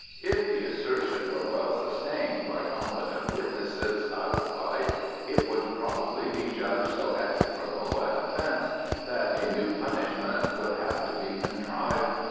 "If the assertion were well sustained by competent witnesses," I replied, "it would probably be judged so execrable an offence, that a new punishment would have to be contrived.